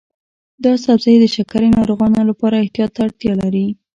دا سبزی د شکرې ناروغانو لپاره احتیاط ته اړتیا لري.